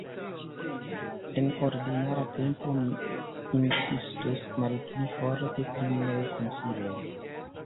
En ordinara tempo mi insistus malpli forte pri miaj konsiloj!